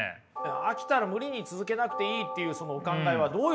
飽きたら無理に続けなくていいっていうそのお考えはどういうことなのか？